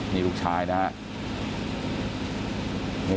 นี่ลูกชายนะฮะ